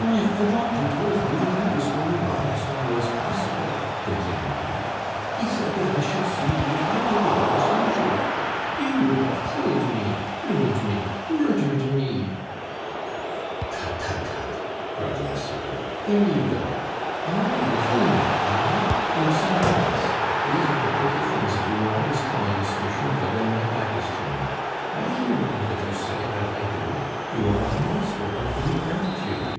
"Why, the doctor told me that I was going on as well as possible," continued he; "he said that I should soon be about again as usual. You have killed me, ruined me, murdered me!" "Tut, tut, tut!" cried La Cibot, "there you go! I am killing you, am I? Mercy on us! these are the pretty things that you are always telling M. Schmucke when my back is turned. I hear all that you say, that I do! You are a monster of ingratitude."